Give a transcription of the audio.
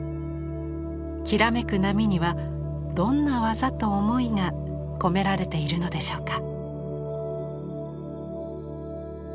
きらめく波にはどんな技と思いが込められているのでしょうか。